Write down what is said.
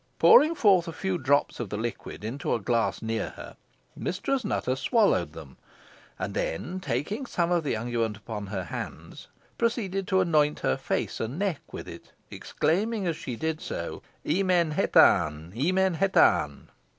Pouring forth a few drops of the liquid into a glass near her, Mistress Nutter swallowed them, and then taking some of the unguent upon her hands, proceeded to anoint her face and neck with it, exclaiming as she did so, "Emen hetan! Emen hetan!"